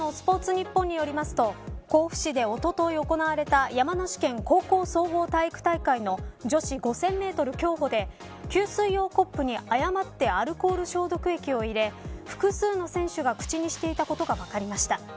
ニッポンによりますと甲府市でおととい行われた山梨県高校総合体育大会の女子５０００メートル競歩で給水用コップに誤ってアルコール消毒液を入れ複数の選手が口にしていたことが分かりました。